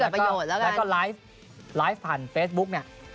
แล้วก็ไลฟ์ผ่านเฟสบุ๊คเนี่ย